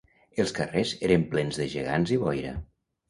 Els carrers eren plens de gegants i boira